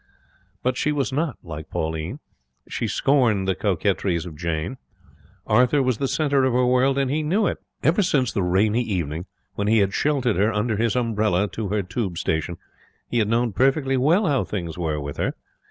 But she was not like Pauline. She scorned the coquetries of Jane. Arthur was the centre of her world, and he knew it. Ever since the rainy evening when he had sheltered her under his umbrella to her Tube station, he had known perfectly well how things were with her.